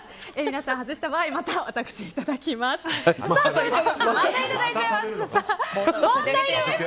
皆さんが外した場合はまた私がいただきます。